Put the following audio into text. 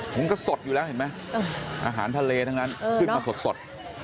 ผมก็สดอยู่แล้วเห็นไหมอาหารทะเลทั้งนั้นขึ้นมาสด